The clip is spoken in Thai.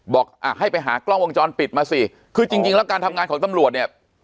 บอกอ่ะให้ไปหากล้องวงจรปิดมาสิคือจริงจริงแล้วการทำงานของตำรวจเนี่ย